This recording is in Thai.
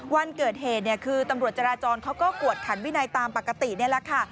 วันเกิดเหตุเนี่ยคือตำรวจจราจรเขาก็กวดขันวินัยตามปกตินี่แหละค่ะ